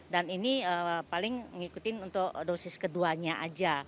dan ini paling mengikuti untuk dosis keduanya saja